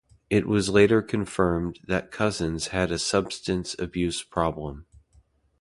It was later confirmed that Cousins had a substance abuse problem.